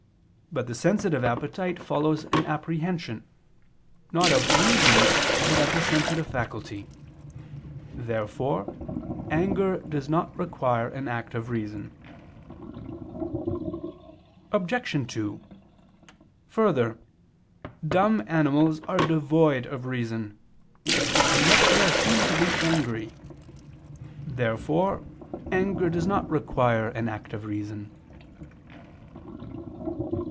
But the sensitive appetite follows an apprehension, not of reason, but of the sensitive faculty. Therefore anger does not require an act of reason. Obj. 2: Further, dumb animals are devoid of reason: and yet they are seen to be angry. Therefore anger does not require an act of reason.